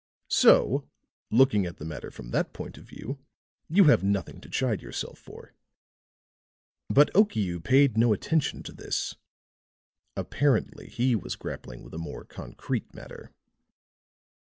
"So, looking at the matter from that point of view, you have nothing to chide yourself for." But Okiu paid no attention to this; apparently he was grappling with a more concrete matter.